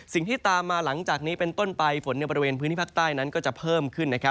สิ่งที่ตามมาหลังจากนี้เป็นต้นไปฝนในบริเวณพื้นที่ภาคใต้นั้นก็จะเพิ่มขึ้น